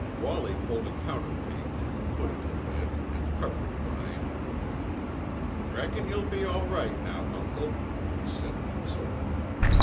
Wallie pulled a counterpane from the foot of the bed and covered Bryant. "Reckon you'll be all right now, Uncle," he said consolingly.